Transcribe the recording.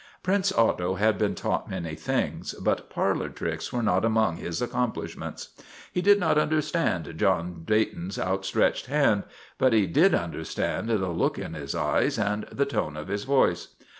Prince Otto had been taught many things, but parlor tricks were not among his accomplishments. He did not understand John Dayton's outstretched hand, but he did understand the look in his eyes and the tone of his voice.